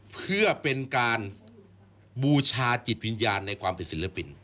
เพื่อเป็นการบูชาจิตวิญญาณในความเป็นศิลปิน